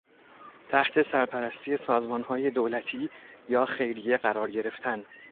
تحت سرپرستی سازمانهای دولتی یا خیریه قرار گرفتن